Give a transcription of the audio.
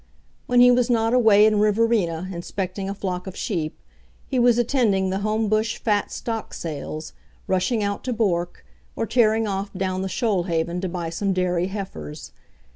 When he was not away in Riverina inspecting a flock of sheep, he was attending the Homebush Fat Stock Sales, rushing away out to Bourke, or tearing off down the Shoalhaven to buy some dairy heifers.